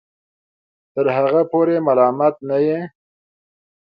تر هغه پورې ملامت نه یې